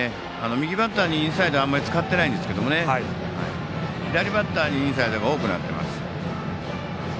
右バッターにインサイドはあまり使ってないですけど左バッターにインサイドが多くなっています。